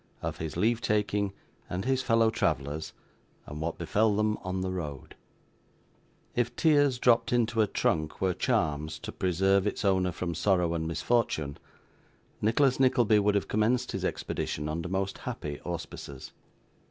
Of his Leave taking and his Fellow Travellers, and what befell them on the Road If tears dropped into a trunk were charms to preserve its owner from sorrow and misfortune, Nicholas Nickleby would have commenced his expedition under most happy auspices.